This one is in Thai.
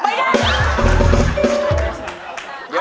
ไม่ได้